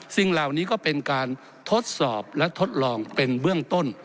สิ่งเหล่านี้ก็เป็นการทดสอบและทดลองเป็นเบื้องต้น